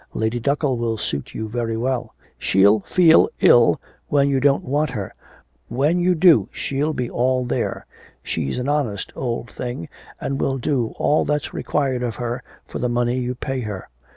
Lady Duckle will suit you very well; she'll feel ill when you don't want her, when you do she'll be all there. She's an honest old thing, and will do all that's required of her for the money you pay her.